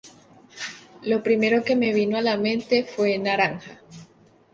Lo primero que me vino a la mente fue "naranja".